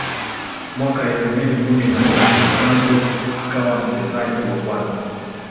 Mwaka elfu mbili kumi na nne Ronaldo akawa mchezaji wa kwanza